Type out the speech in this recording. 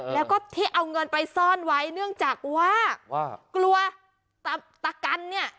แล้วก็ที่เอาเงินไปซ่อนไว้เนื่องจากว่าว่ากลัวตะกันเนี่ย